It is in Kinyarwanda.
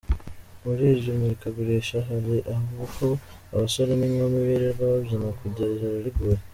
Muri iri murikagurisha, hari aho abasore n’inkumi birirwa babyina kugera ijoro riguye.